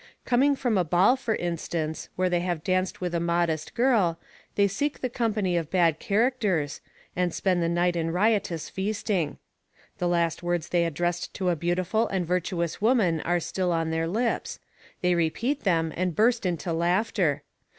Coming from a ball, for instance, where they have danced with a modest girl, they seek the company of bad characters, and spend the night in riotous feasting. The last words they addressed to a beautiful and virtuous woman are still on their lips; they repeat them and burst into laughter.